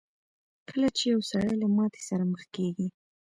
کله چې يو سړی له ماتې سره مخ کېږي.